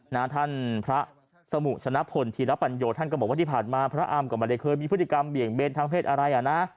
ท่านพระสมุชนะพลธีรปัญโยท่านก็บอกว่าที่ผ่านมาพระอำก็ไม่ได้เคยมีพฤติกรรมเบี่ยงเบนทางเพศอะไรอ่ะนะ